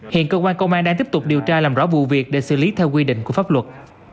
hiện cơ quan công an đang tiếp tục điều tra làm rõ vụ việc để xử lý theo quy định của pháp luật